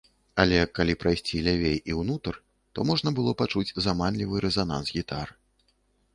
Але, калі прайсці лявей і ўнутр, то можна было пачуць зманлівы рэзананс гітар.